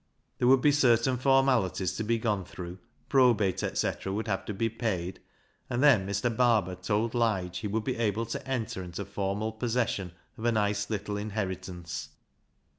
There would be certain formalities to be gone through, probate, etc., would have to be paid, and then Mr. Barber told Lige he would be able to enter into formal possession of a nice little inherit ance.